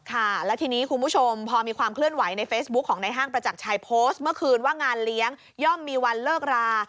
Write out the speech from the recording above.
ค่ะแล้วทีนี้คุณผู้ชมพอมีความเคลื่อนไหวในเฟซบุ๊คของในห้างประจักรชัยโพสต์เมื่อคืนว่างานเลี้ยงย่อมมีวันเลิกรา